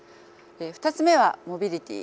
２つ目はモビリティ。